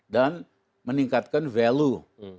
dan meningkatkan value